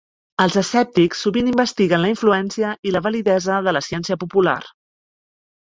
Els escèptics sovint investiguen la influència i la validesa de la ciència popular.